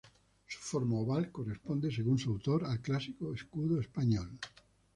Su forma oval corresponde según su autor al clásico escudo español.